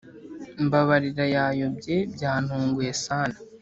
mbabarira yayobye byantunguye sana